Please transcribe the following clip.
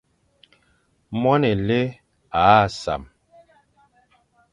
Moan élé âʼa sam.